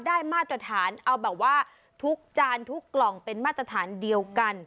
มาตรฐานเอาแบบว่าทุกจานทุกกล่องเป็นมาตรฐานเดียวกัน